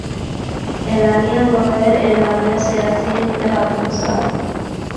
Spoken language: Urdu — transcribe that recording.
اعلانیہ وغیر اعلانیہ سیاسی اتحادیوں کو ساتھ